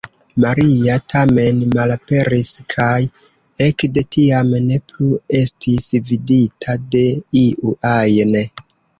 Maria tamen malaperis kaj ekde tiam ne plu estis vidita de iu ajn.